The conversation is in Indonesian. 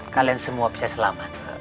kalian semua bisa selamatkan